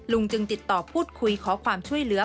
จึงติดต่อพูดคุยขอความช่วยเหลือ